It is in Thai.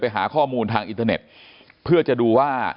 หาข้อมูลทางอินเทอร์เน็ตเพื่อจะดูว่า